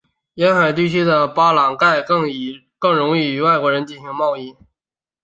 沿海地区的巴朗盖更容易与外国人进行贸易。